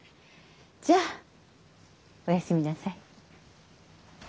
じゃあお休みなさい。